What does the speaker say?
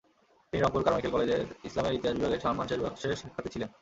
তিনি রংপুর কারমাইকেল কলেজের ইসলামের ইতিহাস বিভাগের সম্মান শেষ বর্ষের শিক্ষার্থী ছিলেন।